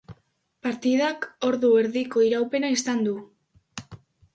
Partidak ordu erdiko iraupena izan du.